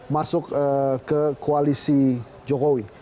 masuk ke koalisi jokowi